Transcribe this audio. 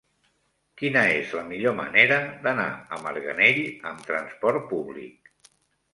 Quina és la millor manera d'anar a Marganell amb trasport públic?